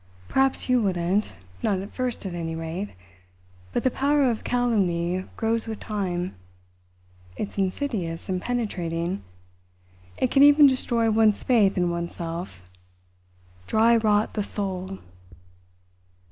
"Perhaps you wouldn't not at first, at any rate; but the power of calumny grows with time. It's insidious and penetrating. It can even destroy one's faith in oneself dry rot the soul."